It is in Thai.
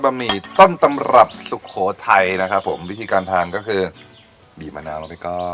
หมี่ต้นตำรับสุโขทัยนะครับผมวิธีการทานก็คือบีบมะนาวแล้วก็